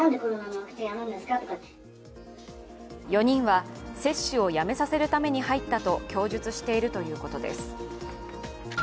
４人は接種をやめさせるために入ったと供述しているということです。